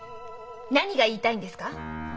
何が言いたいんですか？